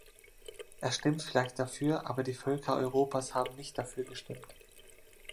Er stimmt vielleicht dafür, aber die Völker Europas haben nicht dafür gestimmt.